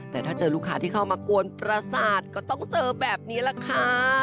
แต่ถ้าเจอลูกค้าที่เข้ามากวนประสาทก็ต้องเจอแบบนี้แหละค่ะ